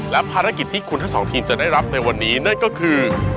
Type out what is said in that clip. และภารกิจที่คุณทั้งสองทีมจะได้รับในวันนี้นั่นก็คือ